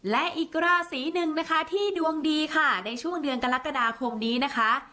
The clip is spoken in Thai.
และอีกราศีหนึ่งนะคะที่ดวงดีค่ะในช่วงเดือนกรกฎาคมนี้นะคะ